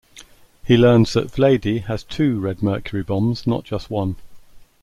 He learns that Vlady has two Red Mercury bombs, not just one.